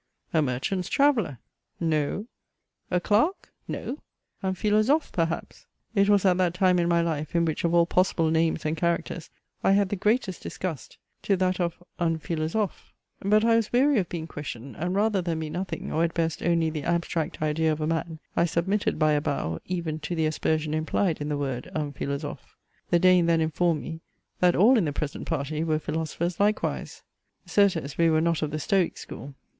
A merchant's traveller? No! A clerk? No! Un Philosophe, perhaps? It was at that time in my life, in which of all possible names and characters I had the greatest disgust to that of "un Philosophe." But I was weary of being questioned, and rather than be nothing, or at best only the abstract idea of a man, I submitted by a bow, even to the aspersion implied in the word "un Philosophe." The Dane then informed me, that all in the present party were Philosophers likewise. Certes we were not of the Stoick school.